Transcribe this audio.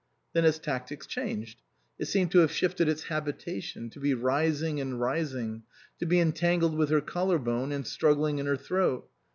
Then its tactics changed ; it seemed to have shifted its habitation ; to be rising and rising, to be entangled with her collar bone and struggling in her throat.